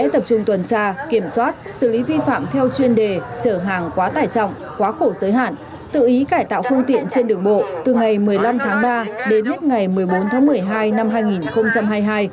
trong tuần tra kiểm soát xử lý vi phạm theo chuyên đề chở hàng quá tải trọng quá khổ giới hạn tự ý cải tạo phương tiện trên đường bộ từ ngày một mươi năm tháng ba đến hết ngày một mươi bốn tháng một mươi hai năm hai nghìn hai mươi hai